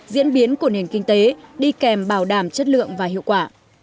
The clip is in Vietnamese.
diễn biến của nền kinh tế đi kèm bảo đảm chất lượng và hiệu quả